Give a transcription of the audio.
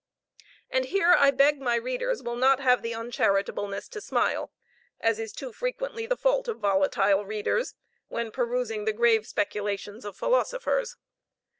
And here I beg my readers will not have the uncharitableness to smile, as is too frequently the fault of volatile readers, when perusing the grave speculations of philosophers.